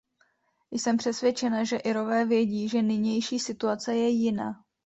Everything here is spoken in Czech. Jsem přesvědčena, že Irové vědí, že nynější situace je jiná.